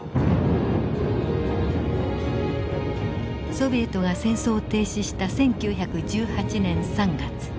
ソビエトが戦争を停止した１９１８年３月。